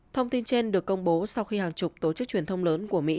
thông tin trên được công bố sau khi hàng chục tổ chức truyền thông lớn của mỹ